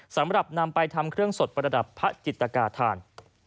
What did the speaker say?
สำหรับนำไปทำเครื่องสดประดับพระจิตกาธาน